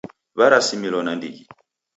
Warasimilo nandighi.